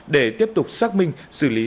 để tiếp tục xác minh xử lý